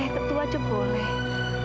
tentu aja boleh